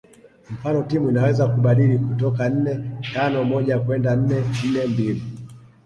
Mfano timu inaweza kubadili kutoka nne tano moja kwenda nne nne mbili